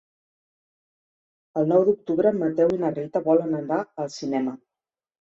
El nou d'octubre en Mateu i na Rita volen anar al cinema.